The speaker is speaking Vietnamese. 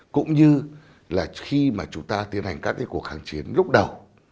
cũng như là khi mà chúng ta tiến hành các cái cuộc kháng chiến lúc đầu